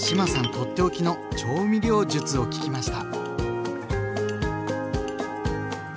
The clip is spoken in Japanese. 取って置きの調味料術を聞きました。